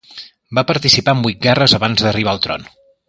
Va participar en vuit guerres abans d'arribar al tron.